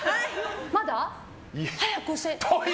まだ？早く押して！